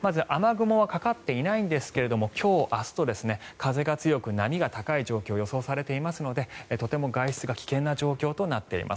まず雨雲はかかっていないんですが今日明日と風が強く波が高い状況が予想されていますのでとても外出が危険な状況となっています。